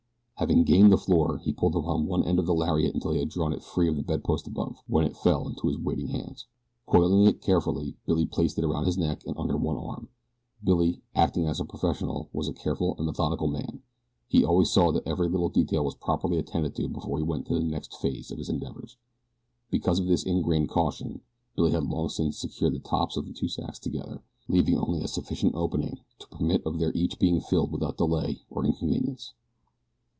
Having gained the floor he pulled upon one end of the lariat until he had drawn it free of the bedpost above, when it fell into his waiting hands. Coiling it carefully Billy placed it around his neck and under one arm. Billy, acting as a professional, was a careful and methodical man. He always saw that every little detail was properly attended to before he went on to the next phase of his endeavors. Because of this ingrained caution Billy had long since secured the tops of the two sacks together, leaving only a sufficient opening to permit of their each being filled without delay or inconvenience.